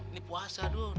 ini puasa dong